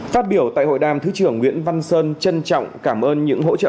phát biểu tại hội đàm thứ trưởng nguyễn văn sơn trân trọng cảm ơn những hỗ trợ